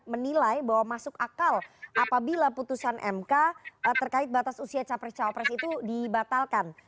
menilai bahwa masuk akal apabila putusan mk terkait batas usia capres cawapres itu dibatalkan